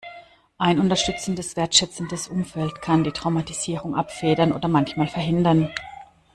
Ein unterstützendes, wertschätzendes Umfeld kann die Traumatisierung abfedern oder manchmal verhindern.